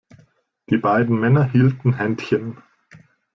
Die beiden Männer hielten Händchen.